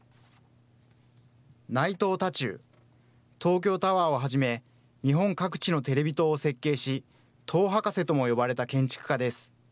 内藤多仲、東京タワーをはじめ、日本各地のテレビ塔を設計し、塔博士とも呼ばれた建築家です。